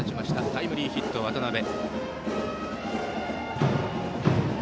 タイムリーヒットの渡辺。